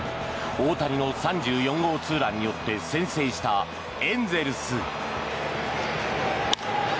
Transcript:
大谷の３４号ツーランによって先制したエンゼルス。